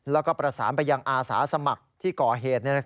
แล้วก็ประสานไปยังอาสาสมัครที่ก่อเหตุ